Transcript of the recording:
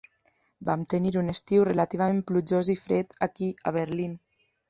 Vam tenir un estiu relativament plujós i fred aquí a Berlín.